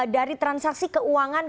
dari transaksi keuangan